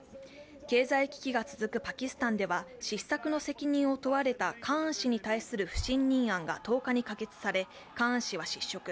経済危機が続くパキスタンでは失策の責任を問われたカーン氏に対する不信任案が１０日に可決され、カーン氏は失職。